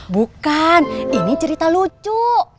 bukan ini cerita lucu